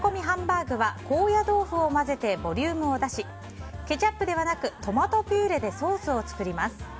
ハンバーグは高野豆腐を混ぜてボリュームを出しケチャップではなくトマトピューレでソースを作ります。